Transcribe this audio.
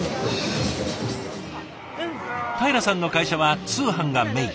たいらさんの会社は通販がメイン。